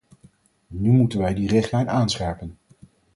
Nu moeten wij die richtlijn aanscherpen.